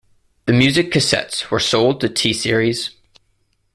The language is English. The music cassettes were sold to T-Series.